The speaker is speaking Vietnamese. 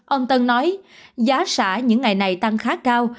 ông tân nói giá những ngày này tăng khá cao